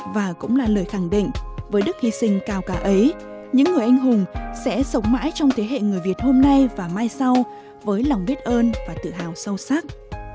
và cũng là lời khẳng định với đức hy sinh cao cả ấy những người anh hùng sẽ sống mãi trong thế hệ người việt hôm nay và mai sau với lòng biết ơn và tự hào sâu sắc